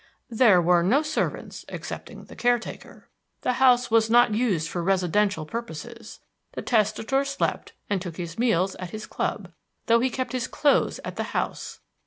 "There were no servants excepting the caretaker. The house was not used for residential purposes. The testator slept and took his meals at his club, though he kept his clothes at the house."